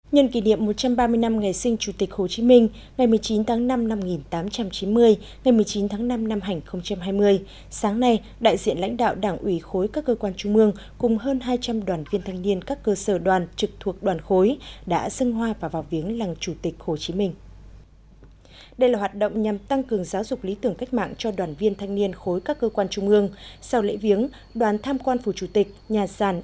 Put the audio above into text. nhân kỷ niệm một trăm ba mươi năm ngày sinh chủ tịch hồ chí minh ngày một mươi chín tháng năm năm một nghìn tám trăm chín mươi ngày một mươi chín tháng năm năm hành hai mươi sáng nay đại diện lãnh đạo đảng ủy khối các cơ quan trung ương cùng hơn hai trăm linh đoàn viên thanh niên các cơ sở đoàn trực thuộc đoàn khối đã dâng hoa và vào viếng làng chủ tịch hồ chí minh